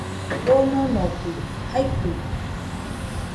Kononogɨ jaitubi